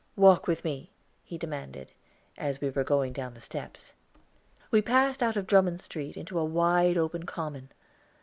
"Walk with me," he demanded, as we were going down the steps. We passed out of Drummond Street into a wide open common.